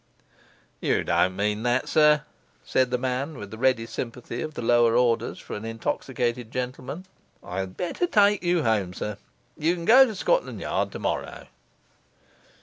'You don't mean that, sir,' said the man, with the ready sympathy of the lower orders for an intoxicated gentleman. 'I had better take you home, sir; you can go to Scotland Yard tomorrow.